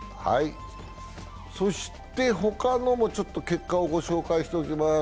そして他のも結果をご紹介しておきます。